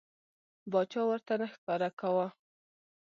باچا ورته نه ښکاره کاوه.